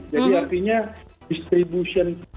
jadi artinya distribution